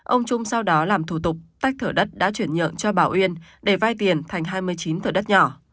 ông trung sau đó làm thủ tục tách thửa đất đã chuyển nhượng cho bảo uyên để vay tiền thành hai mươi chín thửa đất nhỏ